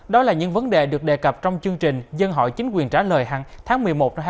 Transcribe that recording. đó là những vấn đề được đề cập trong chương trình dân hội chính quyền trả lời hằng tháng một mươi một hai nghìn hai mươi ba